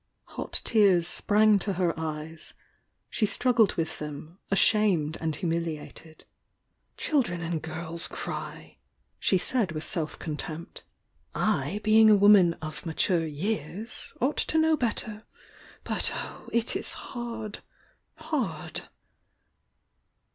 Hot tears sprang to her eyes,— she struggled with them, ashamed and humiliated. "Children and girls cry!" she said, with self con tempt. "I, being a woman 'of mature years,' ought to know better! But, oh, it is hard!— hard!"